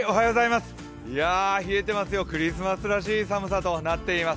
冷えてますよ、クリスマスらしい寒さとなっています。